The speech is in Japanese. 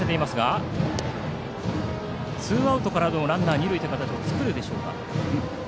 ツーアウトからのランナー二塁という形を作るでしょうか。